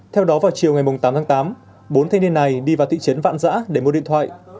theo đó vào chiều ngày tám tháng tám bốn thanh niên này đi vào thị trấn vạn giã để mua điện thoại